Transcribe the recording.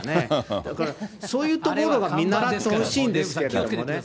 だから、そういうところが見習ってほしいんですけど。